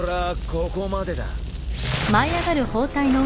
ここまでだ。